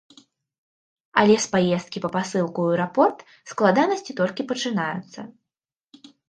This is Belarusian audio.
Але з паездкі па пасылку ў аэрапорт складанасці толькі пачынаюцца.